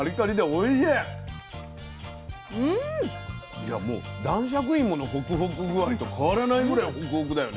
いやもう男爵いものホクホク具合と変わらないぐらいホクホクだよね。